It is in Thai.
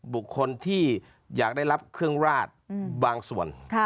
บุคคลที่อยากได้รับเครื่องราชบางส่วน